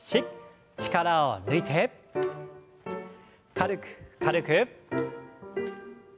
軽く軽く。